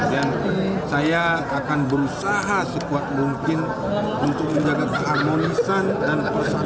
kita akan menghilangkan semua periksaan